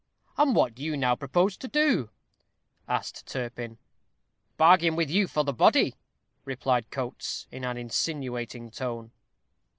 "And what do you now propose to do?" asked Turpin. "Bargain with you for the body," replied Coates, in an insinuating tone.